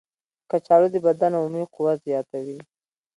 کچالو د بدن عمومي قوت زیاتوي.